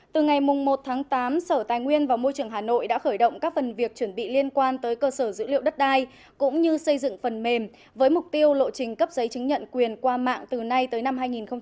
từ ngày một tháng tám sở tài nguyên và môi trường hà nội đã khởi động các phần việc chuẩn bị liên quan tới cơ sở dữ liệu đất đai cũng như xây dựng phần mềm với mục tiêu lộ trình cấp giấy chứng nhận quyền qua mạng từ nay tới năm hai nghìn hai mươi